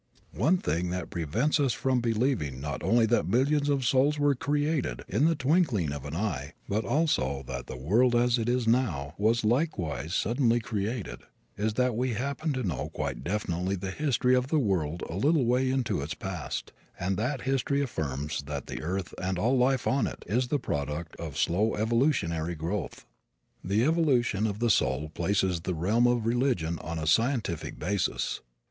One thing that prevents us from believing not only that millions of souls were created in the twinkling of an eye, but also that the world as it now is was likewise suddenly created, is that we happen to know quite definitely the history of the world a little way into the past, and that history affirms that the earth and all life on it is the product of slow evolutionary growth. The evolution of the soul places the realm of religion on a scientific basis.